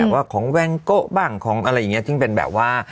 ว่าของแวงโกะบ้างของอะไรอย่างนี้ซึ่งเป็นแบบว่า